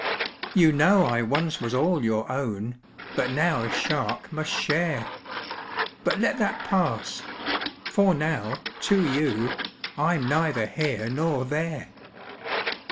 "You know I once was all your own, But now a shark must share! But let that pass for now, to you I'm neither here nor there."